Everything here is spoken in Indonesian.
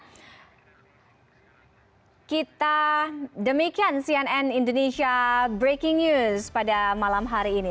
oke kita demikian cnn indonesia breaking news pada malam hari ini